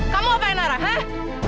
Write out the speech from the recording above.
kamu ngapain nara hah